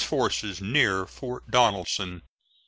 Forces, Near Fort Donelson.